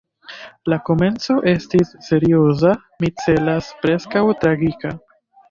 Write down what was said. La komenco estis serioza, mi celas – preskaŭ tragika.